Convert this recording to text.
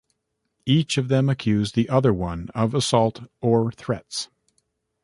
Each of them accused the other one of assault or threats.